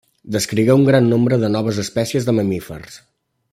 Descrigué un gran nombre de noves espècies de mamífers.